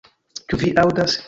Ĉu vi aŭdas?